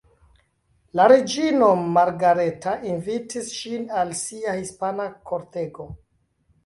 La reĝino Margareta invitis ŝin al sia hispana kortego.